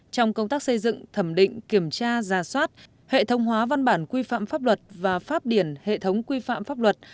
trong công tác xây dựng thẩm định kiểm tra giả soát hệ thống hóa văn bản quy phạm pháp luật và pháp điển hệ thống quy phạm pháp luật